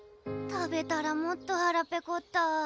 食べたらもっとはらペコった！